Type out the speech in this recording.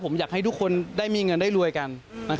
ผมอยากให้ทุกคนได้มีเงินได้รวยกัน